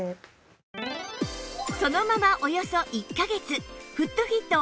そのままおよそ１カ月フット